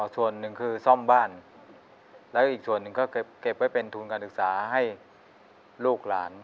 ส่วนหนึ่งคือซ่อมบ้านแล้วอีกส่วนหนึ่งก็เก็บไว้เป็นทุนการศึกษาให้ลูกหลาน